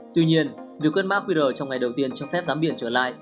tuy nhiên việc quét mã qr trong ngày đầu tiên cho phép tắm biển trở lại